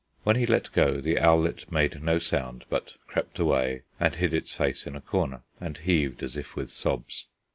When he let go, the owlet made no sound, but crept away and hid its face in a corner, and heaved as if with sobs.